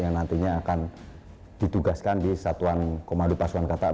yang nantinya akan ditugaskan di satuan komando pasukan katak